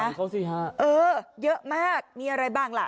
ของเขาสิฮะเออเยอะมากมีอะไรบ้างล่ะ